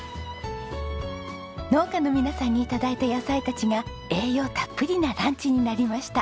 農家の皆さんに頂いた野菜たちが栄養たっぷりなランチになりました。